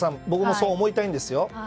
僕もそう思いたいんですよ。